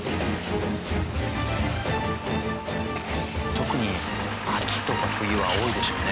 特に秋とか冬は多いでしょうね。